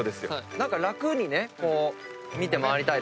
何か楽にねこう見て回りたいですよ。